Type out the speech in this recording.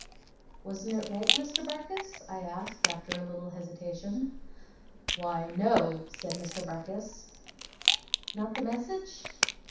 'Wasn't it right, Mr. Barkis?' I asked, after a little hesitation. 'Why, no,' said Mr. Barkis. 'Not the message?